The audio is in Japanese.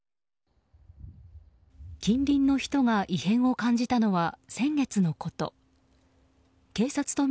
近隣の人が異変を感じたのは先月のこと。